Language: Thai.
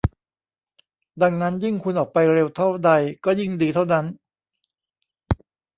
ดังนั้นยิ่งคุณออกไปเร็วเท่าใดก็ยิ่งดีเท่านั้น